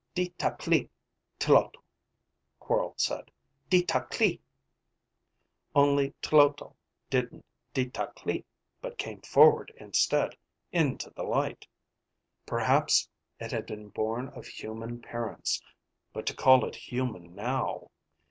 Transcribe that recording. "Di ta klee, Tloto," Quorl said. "Di ta klee." Only Tloto didn't di ta klee, but came forward instead, into the light. Perhaps it had been born of human parents, but to call it human now